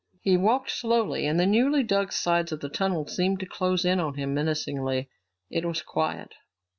He walked slowly, and the newly dug sides of the tunnel seemed to close in on him menacingly. It was quiet.